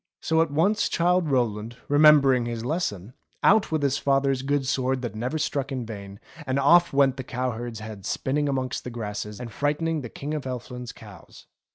So at once Childe Rowland, remembering his lesson, out with his father's good sword that never struck in vain, and off went the cow herd's head spinning amongst the grasses and frightening the King of Elfland's cows.